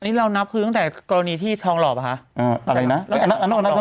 อันนี้เรานับคือตั้งแต่กรณีที่ทองหล่อปะคะเอออะไรนะอันนั้นอ่ะอันนั้นอ่ะ